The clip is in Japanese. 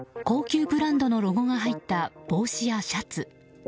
高級ブランドのロゴが入った帽子やシャツ。